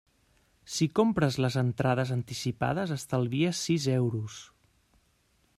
Si compres les entrades anticipades estalvies sis euros.